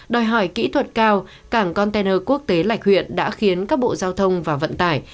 đòi hỏi kỹ thuật cao cảng container quốc tế lạch huyện đã khiến các bộ giao thông và vận tải